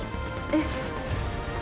えっ。